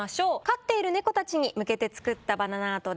飼っている猫たちに向けて作ったバナナアートです。